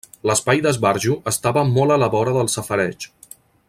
L'espai d'esbarjo estava molt a la vora del safareig.